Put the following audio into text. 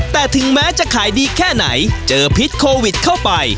แต่ถึงแม้จะขายดีแค่ไหนเจอพิษโควิดเข้าไป